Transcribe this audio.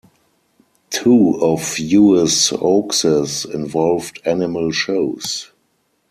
Two of Hughes's hoaxes involved animal shows.